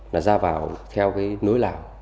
là ra vào theo cái nối lạc